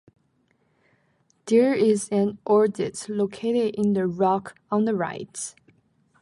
There is an adit located in the rock on the right.